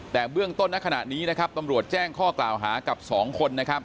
แต่เบื้องต้นนักขณะนี้ตำรวจแจ้งข้อกล่าวหากับสองคน